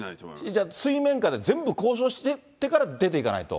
じゃあ、水面下で全部交渉していってから出ていかないと。